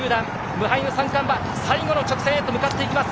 無敗の３冠馬、最後の直線へと向かっていきます。